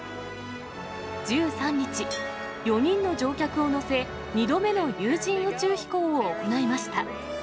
１３日、４人の乗客を乗せ、２度目の有人宇宙飛行を行いました。